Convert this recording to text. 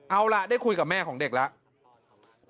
เอาล่ะได้คุยกับแม่ของเด็กแล้ว